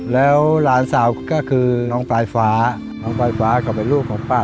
แล้วหลานสาวก็คือน้องปลายฟ้าน้องปลายฟ้าก็เป็นลูกของป้า